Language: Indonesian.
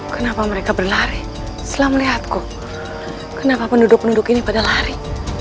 kenapa mereka berlari setelah melihatku kenapa penduduk penduduk ini pada lari